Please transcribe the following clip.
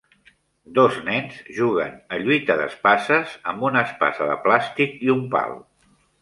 Dos nens juguen a lluita d'espases amb una espasa de plàstic i un pal.